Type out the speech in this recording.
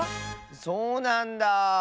そうなんだ。